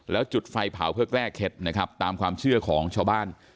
แล้วจุดไฟเผาเพื่อแก้เคล็ดนะครับตามความเชื่อของชาวบ้าน